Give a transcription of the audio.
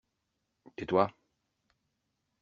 Tais-toi.